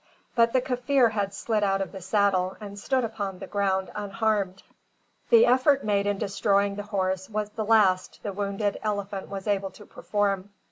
But the Kaffir had slid out of the saddle and stood upon the ground unharmed. The effort made in destroying the horse was the last the wounded elephant was able to perform.